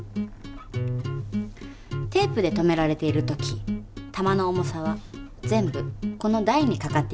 テープでとめられている時玉の重さは全部この台にかかっていますよね。